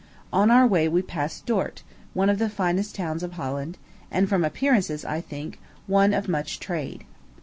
On our way we passed Dort, one of the finest towns of Holland, and from appearances, I think, one of much trade.